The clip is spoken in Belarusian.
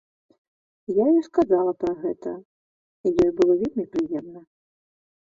Я ёй сказала пра гэта, ёй было вельмі прыемна.